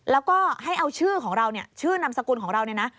แล้วก็ให้เอาชื่อของเราเนี่ยชื่อนามสกุลของเราเนี่ยนะ